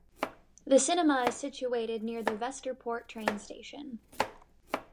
The cinema is situated near the Vesterport train station.